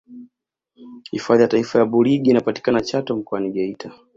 hifadhi ya taifa burigi inapatikana chato mkoani geita